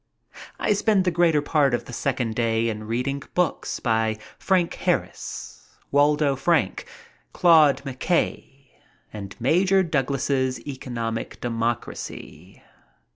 I spend the greater part of the second day in reading books by Frank Harris, Waldo Frank, Claude McKay and Major Douglas's Economic Democracy.